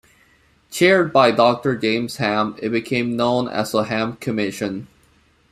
Chaired by Doctor James Ham, it became known as the Ham Commission.